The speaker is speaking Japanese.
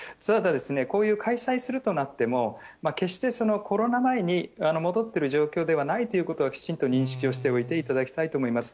そうなると開催するとなっても、決してコロナ前に戻ってる状況ではないということはきちんと認識をしておいていただきたいと思います。